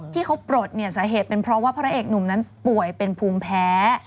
ที่เขาปลดเนี่ยสาเหตุเป็นเพราะว่าพระเอกหนุ่มนั้นป่วยเป็นภูมิแพ้